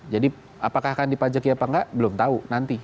jadi apakah akan dipajak ya apa enggak belum tahu nanti